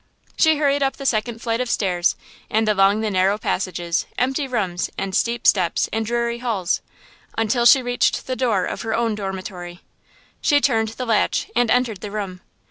She hurried up the second flight of stairs and along the narrow passages, empty rooms, and steep steps and dreary halls, until she reached the door of her own dormitory. She turned the latch and entered the room.